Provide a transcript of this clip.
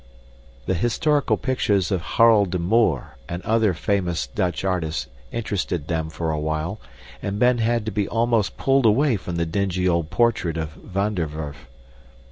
The historical pictures of Harel de Moor and other famous Dutch artists interested them for a while, and Ben had to be almost pulled away from the dingy old portrait of Van der Werf.